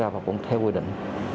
và quận theo quy định